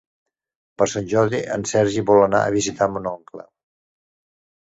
Per Sant Jordi en Sergi vol anar a visitar mon oncle.